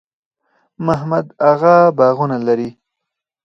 محمد اغه باغونه لري؟